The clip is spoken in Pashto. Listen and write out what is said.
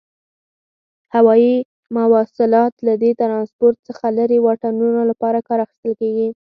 هوایي مواصلات له دې ترانسپورت څخه لري واټنونو لپاره کار اخیستل کیږي.